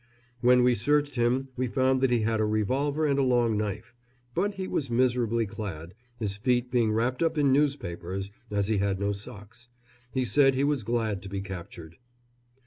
When we searched him we found that he had a revolver and a long knife; but he was miserably clad, his feet being wrapped up in newspapers, as he had no socks. He said he was glad to be captured.